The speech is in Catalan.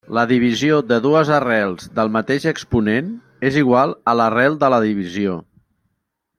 La divisió de dues arrels del mateix exponent, és igual a l'arrel de la divisió.